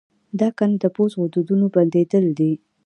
د اکنه د پوست غدودونو بندېدل دي.